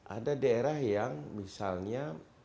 ada daerah yang misalnya